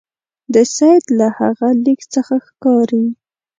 د سید له هغه لیک څخه ښکاري.